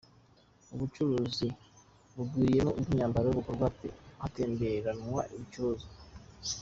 Ubu bucuruzi bugwiriyemo ubw’imyambaro bukorwa hatemberanwa ibicuruzwa.